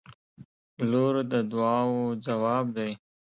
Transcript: • لور د دعاوو ځواب دی.